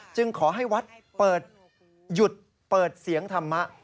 จึงขอให้วัดเปิดหยุดเปิดเสียงธรรมะ